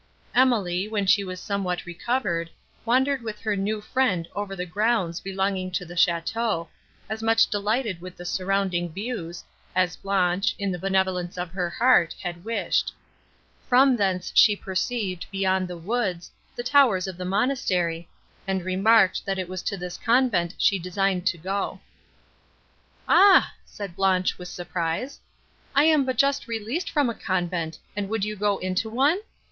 Emily, when she was somewhat recovered, wandered with her new friend over the grounds belonging to the château, as much delighted with the surrounding views, as Blanche, in the benevolence of her heart, had wished; from thence she perceived, beyond the woods, the towers of the monastery, and remarked, that it was to this convent she designed to go. "Ah!" said Blanche with surprise, "I am but just released from a convent, and would you go into one?